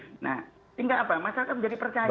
sehingga apa masyarakat menjadi percaya